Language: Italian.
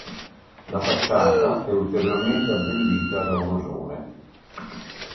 La facciata è ulteriormente abbellita da un rosone.